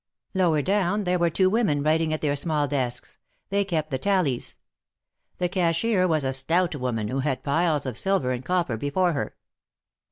Lower down were two women writing at their small desks ; they kept the tallies. The cashier was a stout woman who had piles of silver and copper before her.